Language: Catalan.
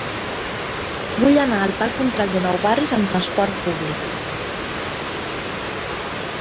Vull anar al parc Central de Nou Barris amb trasport públic.